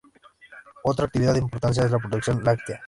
Otra actividad de importancia es la producción láctea.